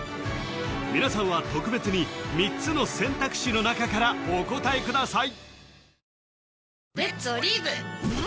皆さんは特別に３つの選択肢の中からお答えください